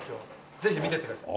ぜひ見ていってください。